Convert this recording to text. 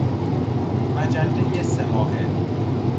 مجله سه ماهه